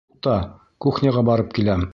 Туҡта, кухняға барып киләм.